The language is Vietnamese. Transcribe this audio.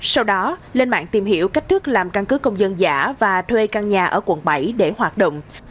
sau đó lên mạng tìm hiểu cách thức làm căn cứ công dân giả và thuê căn nhà ở quận bảy để hoạt động